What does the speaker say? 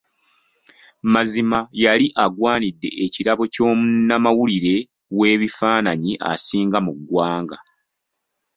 Mazima yali agwanidde ekirabo ky'omunnamawulire w'ebifaananyi asinga mu ggwanga.